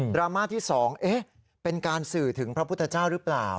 รามาที่๒เป็นการสื่อถึงพระพุทธเจ้าหรือเปล่า